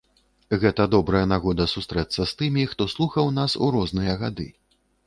Гэта добрая нагода сустрэцца з тымі, хто слухаў нас у розныя гады.